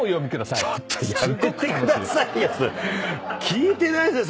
聞いてないです